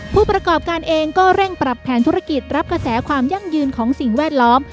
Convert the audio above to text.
ผู้ประกอบการเองก็เร่งปรับแผนธุรกิจรับกระแสความยั่งยืนของสิ่งแวดล้อม